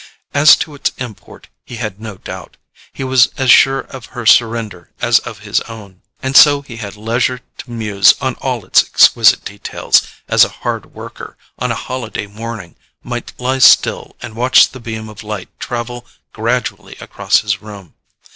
As to its import he had no doubt—he was as sure of her surrender as of his own. And so he had leisure to muse on all its exquisite details, as a hard worker, on a holiday morning, might lie still and watch the beam of light travel gradually across his room.